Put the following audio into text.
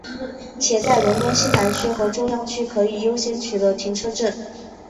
且在伦敦西南区和中央区可以优先取得停车证。